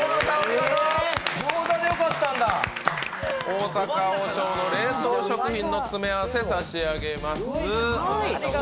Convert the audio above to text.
大阪王将の冷凍食品詰め合わせ、差し上げます。